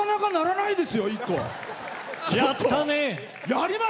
やったね！